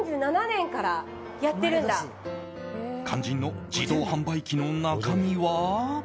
肝心の自動販売機の中身は。